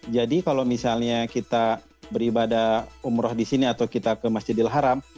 jadi kalau misalnya kita beribadah umroh di sini atau kita ke masjidil haram